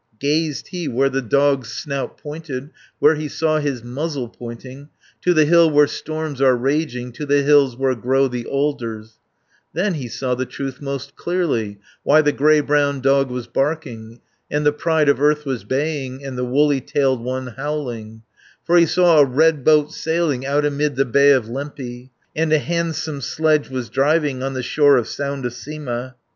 Gazed he where the dog's snout pointed, Where he saw his muzzle pointing, 540 To the hill where storms are raging, To the hills where grow the alders, Then he saw the truth most clearly, Why the grey brown dog was barking, And the pride of earth was baying, And the woolly tailed one howling, For he saw a red boat sailing Out amid the Bay of Lempi, And a handsome sledge was driving On the shore of Sound of Sima.